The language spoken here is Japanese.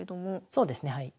そうですねはい。